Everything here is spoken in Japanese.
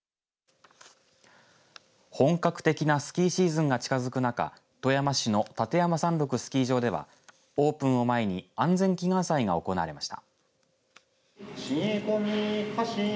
本格的なスキーシーズンが近づく中富山市の立山山麓スキー場ではオープンを前に安全祈願祭が行われました。